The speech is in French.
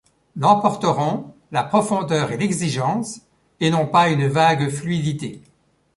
L’emporteront la profondeur et l’exigence et non pas une vague fluidité.